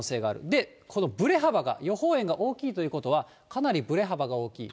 で、このぶれ幅が、予報円が大きいということは、かなりぶれ幅が大きい。